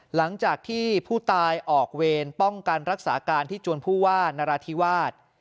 หลังจากที่ผู้ตายออกเวรป้องกันรักษาการที่จวนผู้ว่านราธิวาส